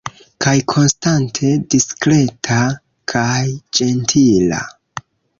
Kaj konstante diskreta kaj ĝentila.